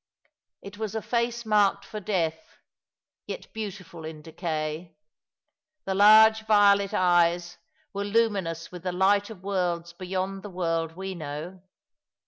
It was a face marked for death, yet beautiful in decay. The large violet eyes were luminous with the light of worlds beyond the world we know.